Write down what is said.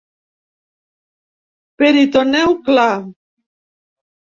Peritoneu clar.